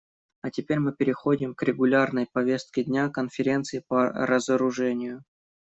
А теперь мы переходим к регулярной повестке дня Конференции по разоружению.